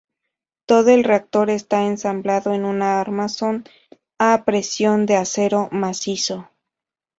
Todo el reactor está ensamblado en una armazón a presión de acero macizo.